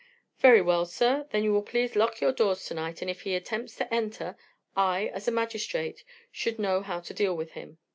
"Very well, sir, then you will please lock your doors tonight, and if he attempts to enter, I, as a magistrate, should know how to deal with him.